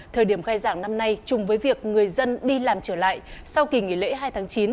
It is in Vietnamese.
thời điểm khai giảng năm nay chung với việc người dân đi làm trở lại sau kỳ nghỉ lễ hai tháng chín